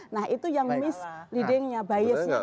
nah itu yang misleadingnya biasnya